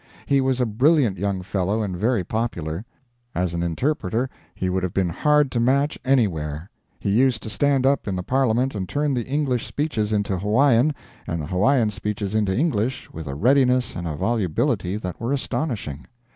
He was a brilliant young fellow, and very popular. As an interpreter he would have been hard to match anywhere. He used to stand up in the Parliament and turn the English speeches into Hawaiian and the Hawaiian speeches into English with a readiness and a volubility that were astonishing.